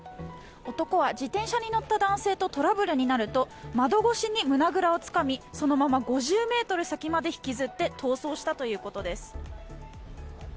男は自転車に乗った男性とトラブルになると窓越しに胸ぐらをつかみそのまま５０ｍ先まで引きずって逃走したということです。